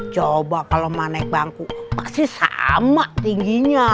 coba kalau mau naik bangku pasti sama tingginya